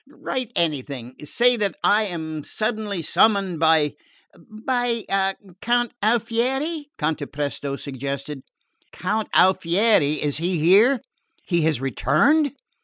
"Write anything. Say that I am suddenly summoned by " "By the Count Alfieri?" Cantapresto suggested. "Count Alfieri? Is he here? He has returned?"